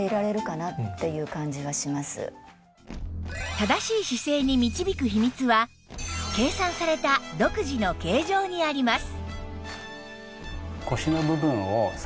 正しい姿勢に導く秘密は計算された独自の形状にあります